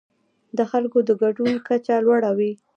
د خلکو د ګډون کچه لوړه وي.